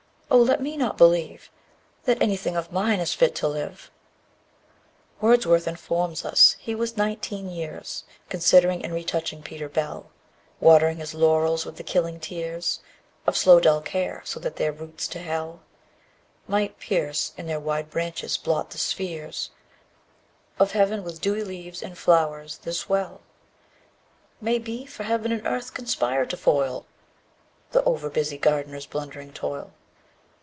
O, let me not believe That anything of mine is fit to live! 4. Wordsworth informs us he was nineteen years _25 Considering and retouching Peter Bell; Watering his laurels with the killing tears Of slow, dull care, so that their roots to Hell Might pierce, and their wide branches blot the spheres Of Heaven, with dewy leaves and flowers; this well _30 May be, for Heaven and Earth conspire to foil The over busy gardener's blundering toil.